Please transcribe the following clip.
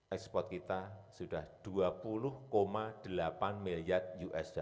ekspor kita sudah dua puluh delapan miliar usd